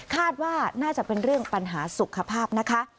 คาดว่าน่าจะเป็นเรื่องปัญหาสุขภาพนะคะ